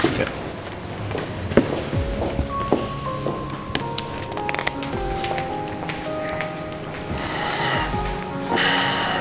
terima kasih pak